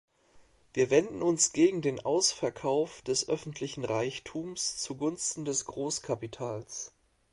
Wir wenden uns gegen den Ausverkauf des öffentlichen Reichtums zugunsten des Großkapitals.